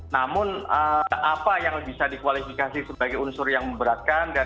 namun apa yang bisa dikualifikasi sebagai unsur yang memberatkan